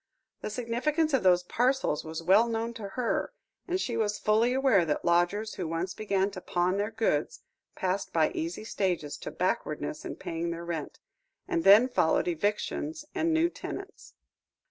The significance of those parcels was well known to her, and she was fully aware that lodgers who once began to pawn their goods passed by easy stages to backwardness in paying their rent, and then followed eviction and new tenants.